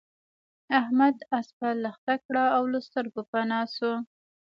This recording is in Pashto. احمد اسپه لښته کړه او له سترګو پنا شو.